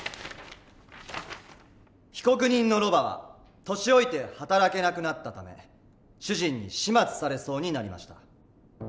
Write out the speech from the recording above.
「被告人のロバは年老いて働けなくなったため主人に始末されそうになりました。